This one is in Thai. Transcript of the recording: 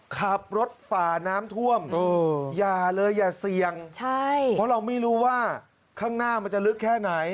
ขับรถฝ่าน้ำท่วมอย่าเลยอย่าเสี่ยงใช่เพราะเราไม่รู้ว่าข้างหน้ามันจะลึกแค่ไหน